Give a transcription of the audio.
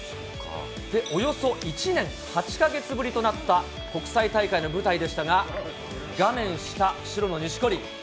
およそ１年８か月ぶりとなった国際大会の舞台でしたが、画面下、白の錦織。